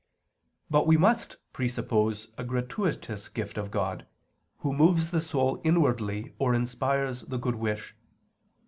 But we must presuppose a gratuitous gift of God, Who moves the soul inwardly or inspires the good wish.